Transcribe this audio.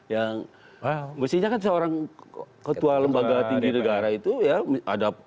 yang mestinya kan seorang ketua lembaga tinggi negara itu ya